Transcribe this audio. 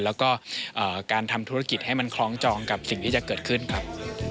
แล้วก็การทำธุรกิจให้มันคล้องจองกับสิ่งที่จะเกิดขึ้นครับ